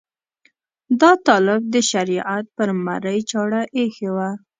دا طالب د شریعت پر مرۍ چاړه ایښې وه.